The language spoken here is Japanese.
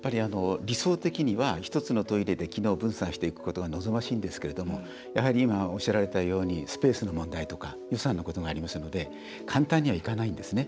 理想的には１つのトイレで機能分散していくことが望ましいんですけれどもやはり今、おっしゃられたようにスペースの問題とか予算のことがありますので簡単にはいかないんですね。